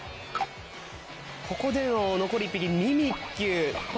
ここでの残り１匹ミミッキュ。